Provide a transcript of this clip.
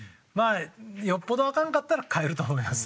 よっぽどアカンかったら変えると思います